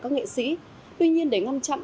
các nghệ sĩ tuy nhiên để ngăn chặn